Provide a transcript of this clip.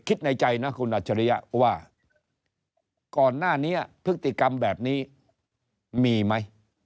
ในใจนะคุณอัจฉริยะว่าก่อนหน้านี้พฤติกรรมแบบนี้มีไหม